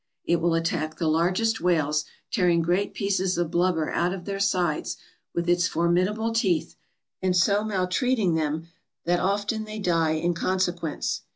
It will attack the largest whales, tearing great pieces of blub ber out of their sides with its formidable teeth and so maltreat ing them that often they die in consequence.